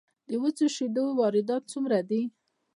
د وچو شیدو واردات څومره دي؟